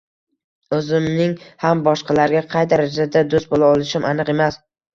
O‘zimning ham boshqalarga qay darajada do‘st bo‘la olishim aniq emas